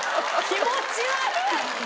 気持ち悪っ！